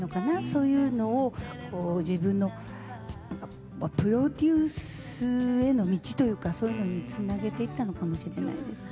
そういうのを自分のプロデュースへの道というかそういうのにつなげてきたのかもしれません。